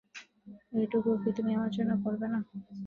এইটুকু কি তুমি আমার জন্য করবে না?